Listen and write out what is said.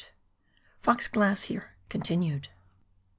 FOX GLACIER — {continued).